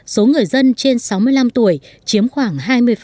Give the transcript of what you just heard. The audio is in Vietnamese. số người dân trên sáu mươi năm tuổi chiếm khoảng hai mươi